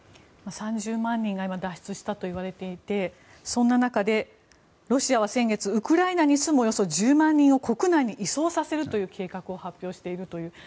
３０万人が脱出したといわれていてそんな中でロシアは先月ウクライナに住むおよそ１０万人を国内に移送させるという計画を発表しているという。